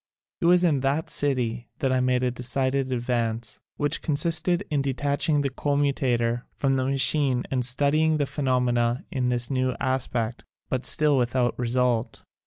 It was in that city that I made a decided advance, which consisted in detach ing the commutator from the machine and studying the phenomena in this new aspect, but still without result.